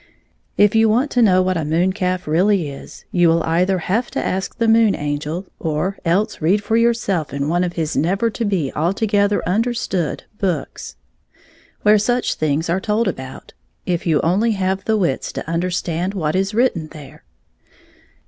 If you want to know what a moon calf really is you will either have to ask the Moon Angel or else read for yourself in one of his never to be altogether understood books, where such things are told about, if you only have the wits to under stand what is written there.